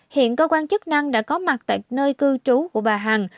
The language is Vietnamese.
hiện cơ quan chức năng đã có mặt tại nơi cư trú của bà hằng